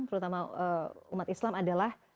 terutama umat islam adalah